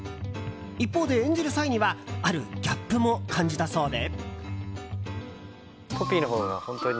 一方で演じる際にはあるギャップも感じたそうで。